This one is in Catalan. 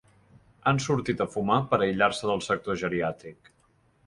Han sortit a fumar per aïllar-se del sector geriàtric.